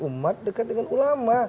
umat dekat dengan ulama